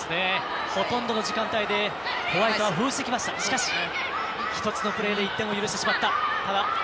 ほとんどの時間帯でホワイトを封じてきましたが１つのプレーで１点を許してしまった。